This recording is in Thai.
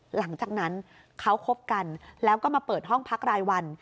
หลังจากนั้นเขาคบกันแล้วก็มาเปิดห้องพักรายวัน